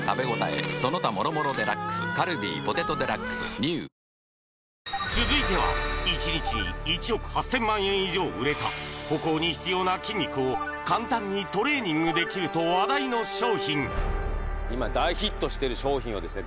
カルビー「ポテトデラックス」ＮＥＷ続いては１日に１億８０００万円以上売れた歩行に必要な筋肉を簡単にトレーニングできると話題の商品今大ヒットしてる商品をですね